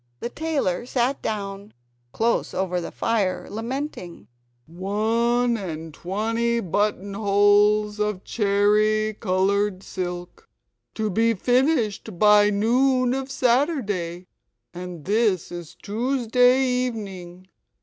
The tailor sat down, close over the fire, lamenting: "One and twenty buttonholes of cherry coloured silk! To be finished by noon of Saturday: and this is Tuesday evening.